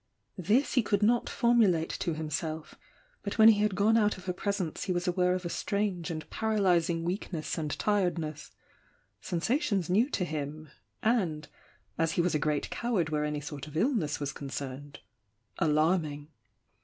This he could not formulate to himself, but when he had gone out of her presence he was aware of a strange and paralysing weakness and tiredness, — sensations new to him, and — as he was a great coward where any sort of illness was concerned — alarming.